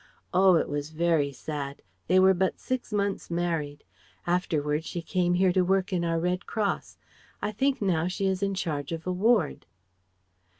Oh! it was very sad; they were but six months married. Afterwards she came here to work in our Red Cross I think now she is in charge of a ward..."